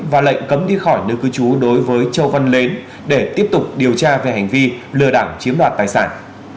và lệnh cấm đi khỏi nơi cư trú đối với châu văn mến để tiếp tục điều tra về hành vi lừa đảo chiếm đoạt tài sản